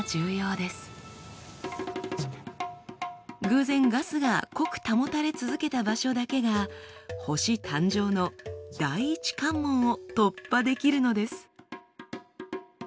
偶然ガスが濃く保たれ続けた場所だけが星誕生の第１関門を突破できるのです。